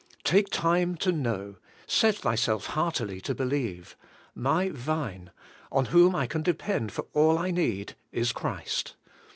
Take time to know, set thyself heartily to believe : My Vine, on whom I can depend for all I need, is Christ.